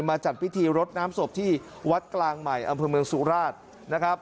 จัดพิธีรดน้ำศพที่วัดกลางใหม่อำเภอเมืองสุราชนะครับ